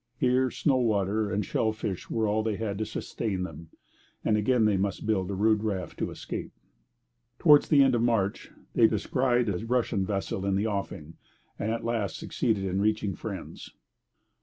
Here, snow water and shell fish were all they had to sustain them; and again they must build a rude raft to escape. Towards the end of March they descried a Russian vessel in the offing, and at last succeeded in reaching friends.